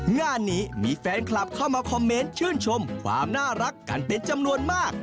งานนี้มีแฟนคลับเข้ามาคอมเมนต์ชื่นชมความน่ารักกันเป็นจำนวนมาก